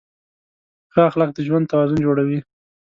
ښه اخلاق د ژوند توازن جوړوي.